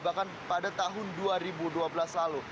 bahkan pada tahun dua ribu dua belas lalu